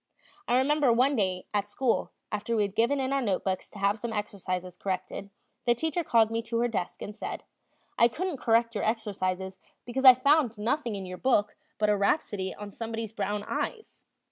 I remember one day at school, after we had given in our notebooks to have some exercises corrected, the teacher called me to her desk and said: "I couldn't correct your exercises because I found nothing in your book but a rhapsody on somebody's brown eyes."